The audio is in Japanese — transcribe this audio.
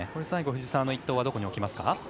最後、藤澤の一投はどこに置きますか。